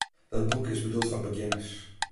Dat boek is bedoeld foar begjinners.